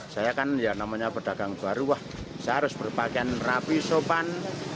saya kan ya namanya pedagang baru wah saya harus berpakaian rapi sopan